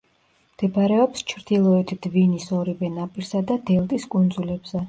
მდებარეობს ჩრდილოეთ დვინის ორივე ნაპირსა და დელტის კუნძულებზე.